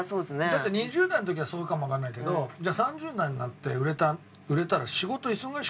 だって２０代の時はそうかもわかんないけどじゃあ３０代になって売れたらそうですね。